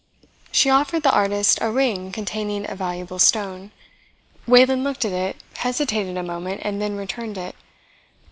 She offered the artist a ring containing a valuable stone. Wayland looked at it, hesitated a moment, and then returned it.